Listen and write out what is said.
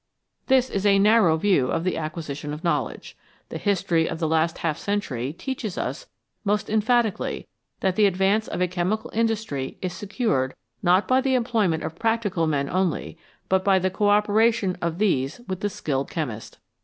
This is a narrow view of the acquisition of knowledge. The history of the last half century teaches us most emphatically that the advance of a chemical industry is secured not by the employment of practical men only, but by the co operation of these with the skilled chemist.